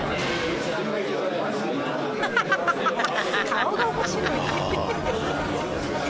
顔が面白い。